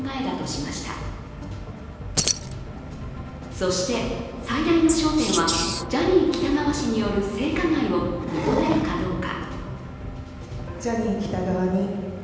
そして、最大の焦点はジャニー喜多川氏による性加害を認めるかどうか。